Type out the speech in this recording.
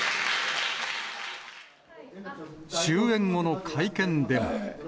終演後の会見では。